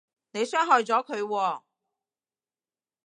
你傷害咗佢喎